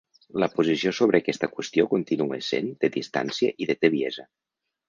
La posició sobre aquesta qüestió continua essent de distància i de tebiesa.